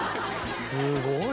すごい。